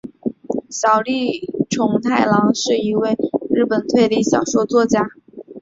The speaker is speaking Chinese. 小栗虫太郎是一名日本推理小说作家。